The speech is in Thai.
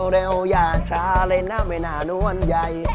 เร็วอย่าช้าเลยนะไม่นานวนใหญ่